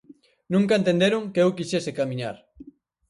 Nunca entenderon que eu quixese camiñar.